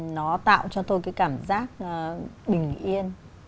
nó tạo cho tôi cái cảm giác bình yên